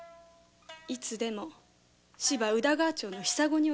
いつでも芝宇田川町の「ひさご」へ。